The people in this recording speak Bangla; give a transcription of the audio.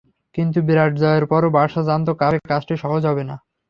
কিন্তু বিরাট জয়ের পরও বার্সা জানত, কাপে কাজটি সহজ হবে না।